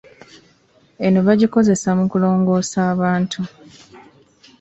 Eno bagikozesa mu kulongoosa abantu.